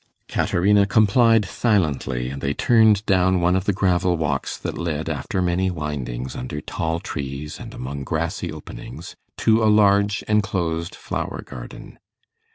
Caterina complied silently, and they turned down one of the gravel walks that led, after many windings under tall trees and among grassy openings, to a large enclosed flower garden.